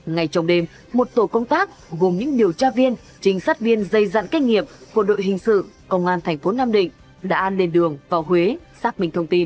ngay trong đêm một tổ công tác gồm những điều tra viên trinh sát viên dày dặn cách nghiệp của đội hình sự công an thành phố nam định đã an lên đường vào huế xác minh thông tin